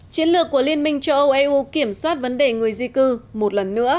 chiến lược của liên minh châu âu eu kiểm soát vấn đề người di cư một lần nữa